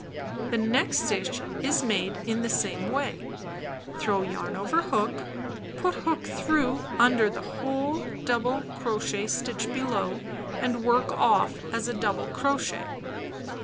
The next stitch is made in the same way: throw yarn over hook; put hook through under the whole double crochet stitch below and work off as a double crochet.